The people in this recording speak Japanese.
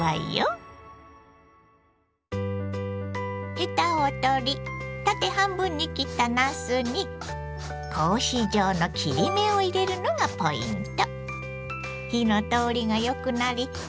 ヘタを取り縦半分に切ったなすに格子状の切り目を入れるのがポイント。